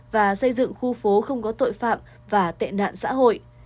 và xây dựng khu phố không có tội phạm và tệ nạn xã hội